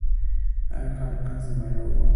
I'll consult my lawyer.